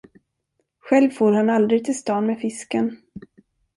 Själv for han aldrig till stan med fisken.